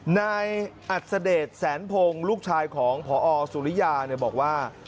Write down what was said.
นายอัศเดชแสนพงศ์ลูกชายของพอสุริยาบอกว่า